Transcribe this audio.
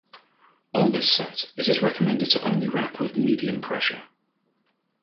On this set, it is recommended to only wrap with medium pressure.